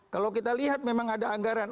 kalau kita lihat memang ada anggaran